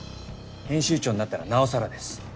編集長になったらなおさらです。